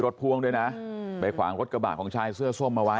แล้วตามหายาดของแม่ลูกคู่นี้